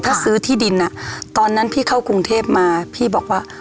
ถ้าซื้อที่ดินอ่ะตอนนั้นพี่เข้ากรุงเทพมาพี่บอกว่า